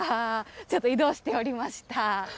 ちょっと移動しておりました。